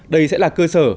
đây sẽ là cơ sở